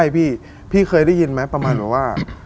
พี่พี่เคยได้ยินไหมประมาณแบบว่า